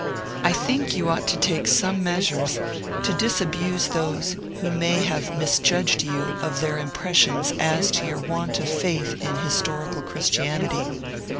I think you ought to take some measures to disabuse those who may have misjudged you of their impressions as to your want of faith in historical Christianity.